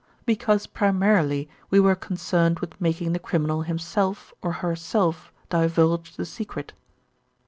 "Because primarily we were concerned with making the criminal himself or herself divulge the secret."